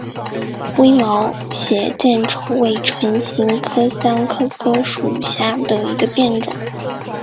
微毛血见愁为唇形科香科科属下的一个变种。